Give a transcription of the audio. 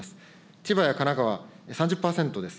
千葉や神奈川、３０％です。